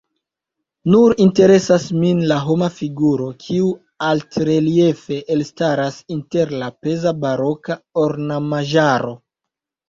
Nur interesas min la homa figuro, kiu altreliefe elstaras inter la peza baroka ornamaĵaro.